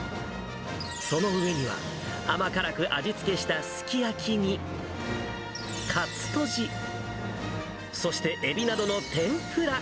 その上には、甘辛く味付けしたすき焼きに、カツとじ、そしてエビなどの天ぷら。